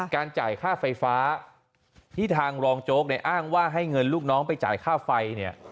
การจ่ายค่าไฟฟ้าที่ทางรองโจ๊กเนี่ยอ้างว่าให้เงินลูกน้องไปจ่ายค่าไฟเนี่ย